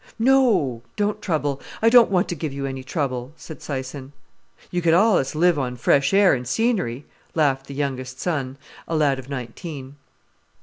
"No—don't trouble. I don't want to give you any trouble," said Syson. "You could allus live on fresh air an' scenery," laughed the youngest son, a lad of nineteen.